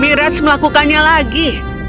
mirage melakukannya lagi